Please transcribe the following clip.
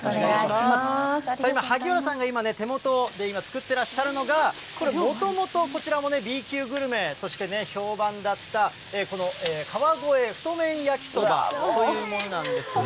今、萩原さんがね、今ね、手元で今、作ってらっしゃるのが、これ、もともとこちらもＢ級グルメとしてね、評判だったこの川越太麺焼きそばというものなんです。